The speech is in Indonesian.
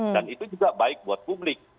dan itu juga baik buat publik